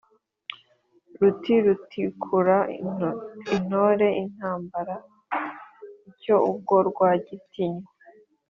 Ruti rutikura intore intambara icy’ubwo Rwagitinywa,